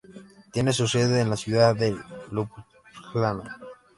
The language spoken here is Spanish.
Tiene su sede en la ciudad de Ljubljana.